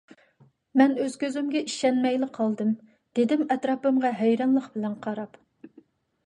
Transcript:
— مەن ئۆز كۆزۈمگە ئىشەنمەيلا قالدىم، — دېدىم ئەتراپىمغا ھەيرانلىق بىلەن قاراپ.